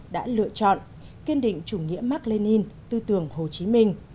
đã lựa chọn kiên định chủ nghĩa mark lenin tư tưởng hồ chí minh